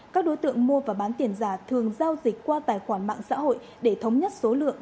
các đối tượng mua và bán tiền giả thường giao dịch qua tài khoản mạng xã hội để thống nhất số lượng